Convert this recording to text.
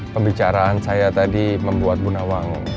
pembicaraan saya tadi membuat bu nawang